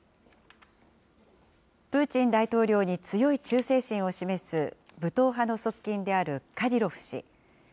プーチン大統領に強い忠誠心を示す、武闘派の側近であるカディロフ氏。